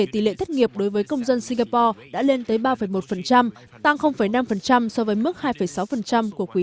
tỷ lệ thất nghiệp đối với công dân singapore đã lên tới ba một tăng năm so với mức hai sáu của quý